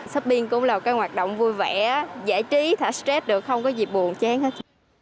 shopping cũng là một cái hoạt động vui vẻ giải trí thả stress được không có gì buồn chán hết